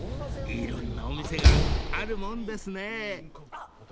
［いろんなお店があるもんですね］